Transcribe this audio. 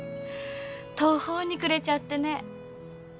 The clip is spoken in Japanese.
途方に暮れちゃってね。